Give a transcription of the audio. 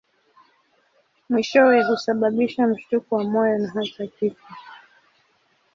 Mwishowe husababisha mshtuko wa moyo na hata kifo.